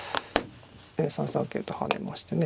３三桂と跳ねましてね